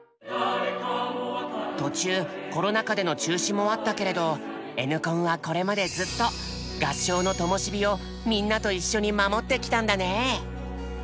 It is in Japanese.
途中コロナ禍での中止もあったけれどＮコンはこれまでずっと合唱のともし火をみんなと一緒に守ってきたんだね。